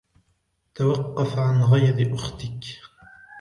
توقف عن غيظ أختك!